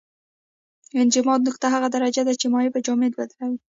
انجماد نقطه هغه درجه ده چې مایع په جامد بدلوي.